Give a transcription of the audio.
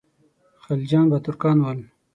خلجیان به ترکان ول.